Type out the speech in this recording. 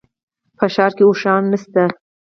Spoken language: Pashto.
په ښار کي اوښان نشته